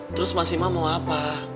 terus mas imam mau apa